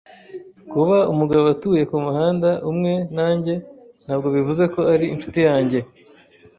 Kuba umugabo atuye kumuhanda umwe nanjye ntabwo bivuze ko ari inshuti yanjye.